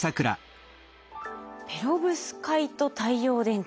ペロブスカイト太陽電池。